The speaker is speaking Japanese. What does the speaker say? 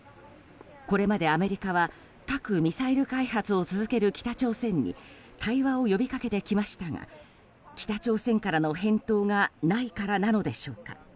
これまでアメリカは核・ミサイル開発を続ける北朝鮮に対話を呼びかけてきましたが北朝鮮からの返答がないからなのでしょうか。